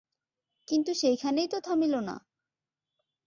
কিন্তু সেইখানেই তো থামিল না।